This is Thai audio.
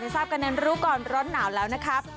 ทราบกันในรู้ก่อนร้อนหนาวแล้วนะครับ